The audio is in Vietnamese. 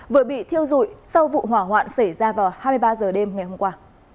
vừa bị thiêu dụi sau vụ hỏa hoạn xảy ra vào hai mươi ba h đêm ngày hôm qua